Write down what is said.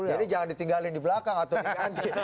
jadi jangan ditinggalin di belakang atau di ganti